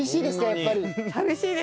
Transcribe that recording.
やっぱり。